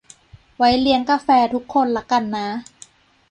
ไว้เลี้ยงกาแฟทุกคนละกันนะ